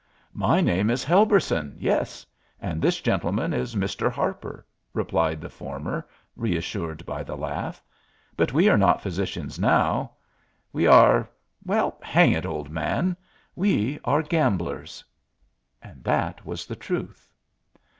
"My name is Helberson, yes; and this gentleman is Mr. Harper," replied the former, reassured by the laugh. "But we are not physicians now; we are well, hang it, old man, we are gamblers." And that was the truth.